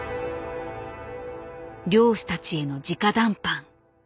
漁師たちへの直談判。